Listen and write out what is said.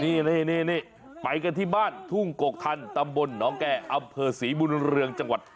นี่ไปกันที่บ้านทุ่งกกทันตำบลหนองแก่อำเภอศรีบุญเรืองจังหวัด